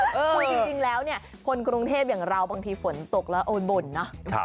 คือจริงแล้วเนี่ยคนกรุงเทพอย่างเราบางทีฝนตกแล้วโอนบ่นเนอะ